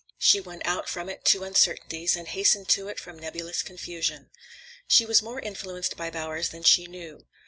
She went out from it to uncertainties, and hastened to it from nebulous confusion. She was more influenced by Bowers than she knew.